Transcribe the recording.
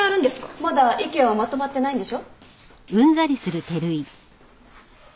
まだ意見はまとまってないんでしょ？